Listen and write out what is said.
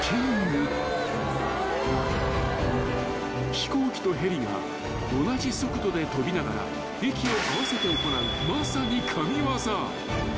［飛行機とヘリが同じ速度で飛びながら息を合わせて行うまさに］